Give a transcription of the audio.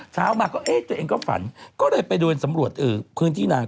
เช้ามาก็เอ๊ะตัวเองก็ฝันก็เลยไปเดินสำรวจพื้นที่นาง